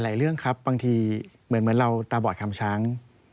เรื่องครับบางทีเหมือนเราตาบอดคำช้าง